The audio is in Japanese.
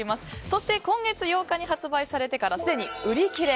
そして今月８日に発売されてからすでに売り切れ。